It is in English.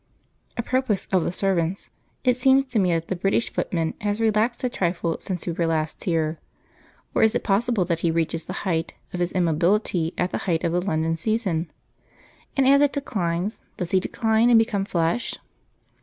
Apropos of the servants, it seems to me that the British footman has relaxed a trifle since we were last here; or is it possible that he reaches the height of his immobility at the height of the London season, and as it declines does he decline and become flesh?